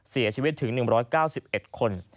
เสียชีวิตถึง๑๙๑คน